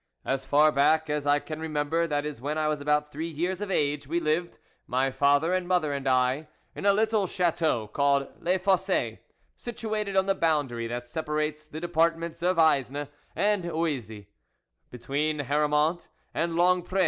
As far back as I can remember, that is when I was about three years of age, we lived, my father and mother and I, in a little Chateau called Les Fosses, situated on the boundary that separates the depart ments of Aisne and Oise, between Hara mont and Longpre.